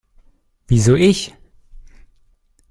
Wieso ich?